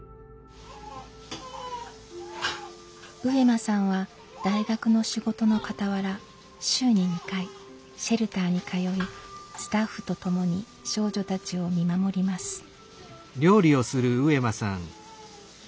上間さんは大学の仕事のかたわら週に２回シェルターに通いスタッフと共に少女たちを見守ります。